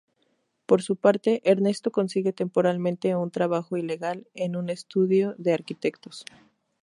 Por su parte, Ernesto consigue temporalmente un trabajo ilegal en un estudio de arquitectos.